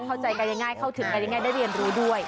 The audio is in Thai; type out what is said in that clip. เข้าใจกันง่ายเข้าถึงกันยังไงได้เรียนรู้ด้วย